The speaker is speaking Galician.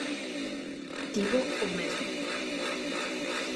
Tivo o mesmo.